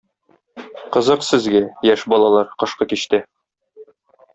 Кызык сезгә, яшь балалар, кышкы кичтә!